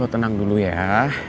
lo tenang dulu ya